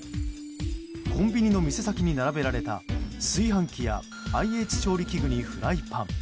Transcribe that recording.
コンビニの店先に並べられた炊飯器やＩＨ料理器具にフライパン。